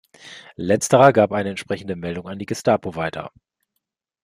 Letzterer gab eine entsprechende Meldung an die Gestapo weiter.